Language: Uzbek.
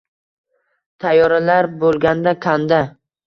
Tayyoralar boʼlganda kanda